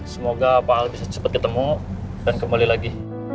semoga pak al bisa cepat ketemu dan kembali lagi